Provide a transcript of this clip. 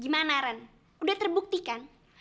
gimana ren udah terbukti kan